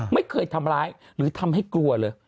ไม่เคยทำร้ายหรือทำให้กลัวเลย